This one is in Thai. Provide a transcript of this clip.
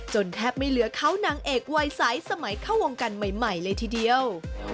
แทบไม่เหลือเขานางเอกวัยสายสมัยเข้าวงการใหม่เลยทีเดียว